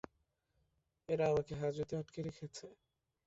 এরা আমাকে হাজতে আটকে রেখেছে?